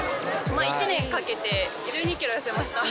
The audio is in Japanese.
１年かけて１２キロ痩せました。